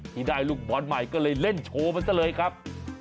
ที่ได้ลูกบอลใหม่ก็เลยเล่นโชว์มันซะเลยครับ